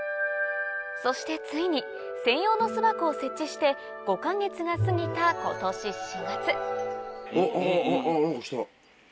そしてついに専用の巣箱を設置して５か月が過ぎたおっ何か来た。